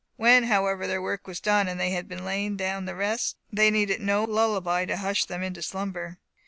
When, however, their work was done, and they had lain down to rest, they needed no lullaby to hush them into slumber.